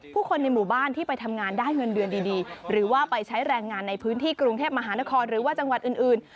คนในหมู่บ้านที่ไปทำงานได้เงินเดือนดีหรือว่าไปใช้แรงงานในพื้นที่กรุงเทพมหานครหรือว่าจังหวัดอื่น